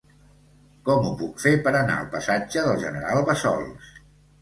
Com ho puc fer per anar al passatge del General Bassols?